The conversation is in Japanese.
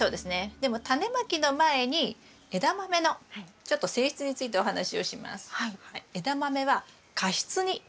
でもタネまきの前にエダマメのちょっと性質についてお話をします。